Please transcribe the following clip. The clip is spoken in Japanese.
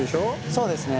そうですね。